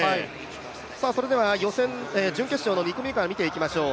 それでは準決勝の２組目から見ていきましょう。